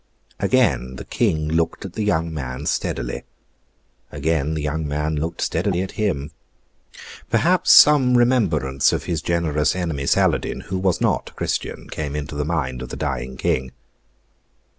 Again the King looked at the young man steadily. Again the young man looked steadily at him. Perhaps some remembrance of his generous enemy Saladin, who was not a Christian, came into the mind of the dying King.